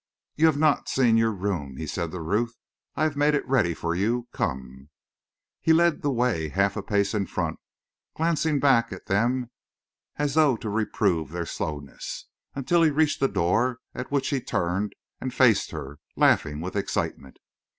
"You have not seen your room?" he said to Ruth. "I have made it ready for you. Come!" He led the way half a pace in front, glancing back at them as though to reprove their slowness, until he reached a door at which he turned and faced her, laughing with excitement.